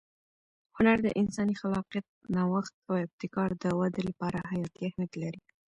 هنر د انساني خلاقیت، نوښت او ابتکار د وده لپاره حیاتي اهمیت لري.